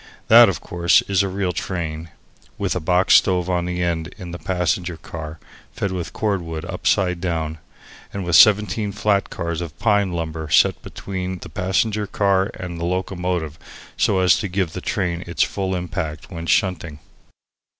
That, of course, is a real train, with a box stove on end in the passenger car, fed with cordwood upside down, and with seventeen flat cars of pine lumber set between the passenger car and the locomotive so as to give the train its full impact when shunting.